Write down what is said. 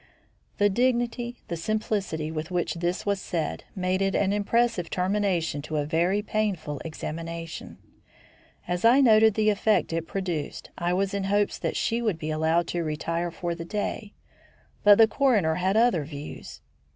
The dignity, the simplicity, with which this was said made it an impressive termination to a very painful examination. As I noted the effect it produced, I was in hopes that she would be allowed to retire for the day. But the coroner had other views.